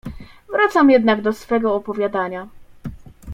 "Wracam jednak do swego opowiadania."